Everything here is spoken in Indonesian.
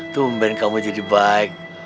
tumben kamu jadi baik